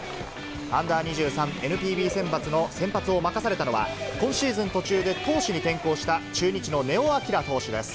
アンダー２３ＮＰＢ選抜の先発を任されたのは、今シーズン途中で投手に転向した中日の根尾昂投手です。